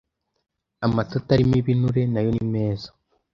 Amata atarimo ibinure nayo nimeza